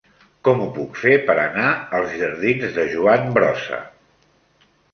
Com ho puc fer per anar als jardins de Joan Brossa?